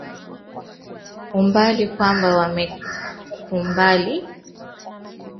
umbali kwamba wamekumbali hague ni lazma